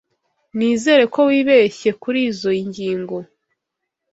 Nizere ko wibeshye kurizoi ngingo.